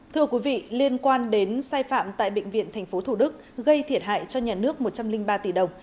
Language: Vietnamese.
thưa quý vị liên quan đến sai phạm tại bệnh viện tp thủ đức gây thiệt hại cho nhà nước một trăm linh ba tỷ đồng